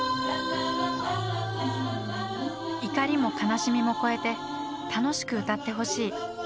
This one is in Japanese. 怒りも悲しみも超えて楽しく歌ってほしい。